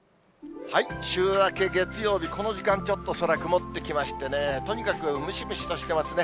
週明け月曜日、この時間、ちょっと空曇ってきましてね、とにかくムシムシとしてますね。